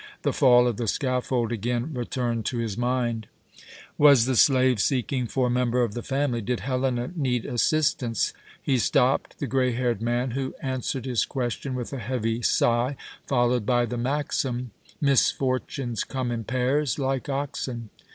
The fall of the scaffold again returned to his mind. Was the slave seeking for a member of the family? Did Helena need assistance? He stopped the gray haired man, who answered his question with a heavy sigh, followed by the maxim, "Misfortunes come in pairs, like oxen."